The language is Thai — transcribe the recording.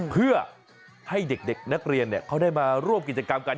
เพื่อให้เด็กนักเรียนเขาได้มาร่วมกิจกรรมกัน